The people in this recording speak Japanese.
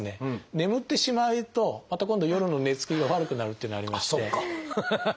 眠ってしまうとまた今度夜の寝つきが悪くなるっていうのありまして。